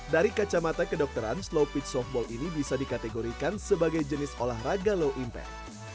dari kacamata kedokteran slow pitch softball ini bisa dikategorikan sebagai jenis olahraga low impact